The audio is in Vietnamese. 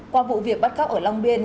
qua vụ việc bắt cóc ở long biên